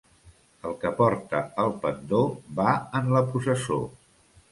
El que porta el pendó va en la processó.